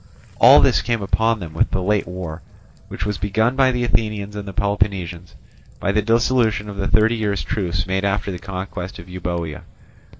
All this came upon them with the late war, which was begun by the Athenians and Peloponnesians by the dissolution of the thirty years' truce made after the conquest of Euboea.